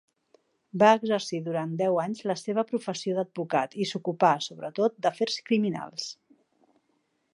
Va exercir durant deu anys la seva professió d'advocat i s'ocupà sobretot d'afers criminals.